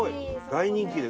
大人気で。